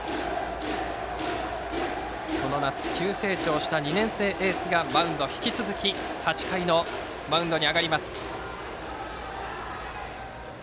この夏、急成長した２年生エースが引き続き８回のマウンドに上がります。